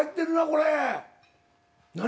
これ。